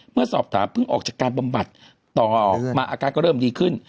เมื่อสอบถามเพิ่งออกจากการบำบัดต่อมาอาการก็เริ่มดีขึ้น